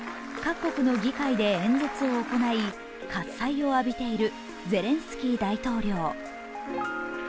各国の議会で演説を行い、喝采を浴びているゼレンスキー大統領。